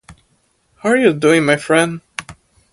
How are you doing my friend?